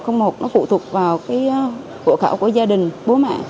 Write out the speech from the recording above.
nó phụ thuộc vào vụ khảo của gia đình bố mẹ